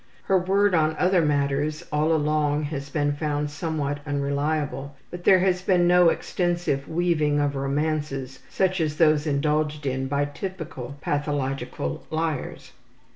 Her word in other matters all along has been found somewhat unreliable, but there has been no extensive weaving of romances such as those indulged in by typical pathological liars.